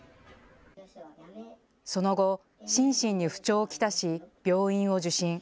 その後、心身に不調を来し病院を受診。